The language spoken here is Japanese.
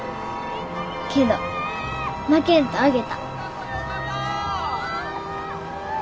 けど負けんとあげた。